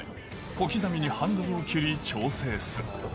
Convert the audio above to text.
小刻みにハンドルを切り調整する。